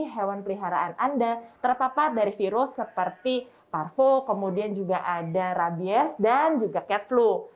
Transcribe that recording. hewan peliharaan anda terpapar dari virus seperti parvo kemudian juga ada rabies dan juga cat flu